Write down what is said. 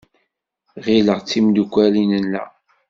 Ɣileɣ d timddukal i nella.